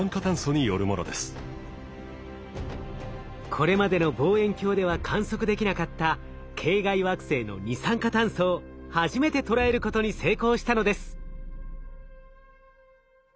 これまでの望遠鏡では観測できなかった系外惑星の二酸化炭素を初めて捉えることに成功したのです。